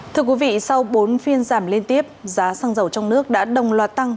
thưa quý vị sau bốn phiên giảm liên tiếp giá xăng dầu trong nước đã đồng loạt tăng